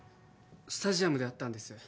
スタジアムで会ったんです